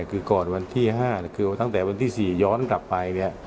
คือก่อนวันที่๕คือตั้งแต่วันที่๔ย้อนกลับไปเนี่ย